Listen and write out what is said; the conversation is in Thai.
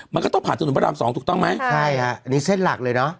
มันก็ต้องผ่านถนนพระรามสองถูกต้องไหมใช่ฮะอันนี้เส้นหลักเลยเนอะ